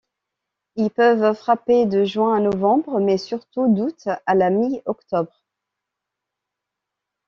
Ils peuvent frapper de juin à novembre mais surtout d'août à la mi-octobre.